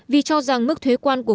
vì cho rằng mức thuế quan của